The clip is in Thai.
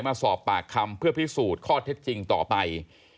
มาสอบปากคำเพื่อพิสูจน์ข้อเท็จจริงต่อไป